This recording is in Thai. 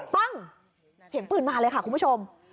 ปั้งเสียงปืนมาเลยค่ะคุณผู้ชม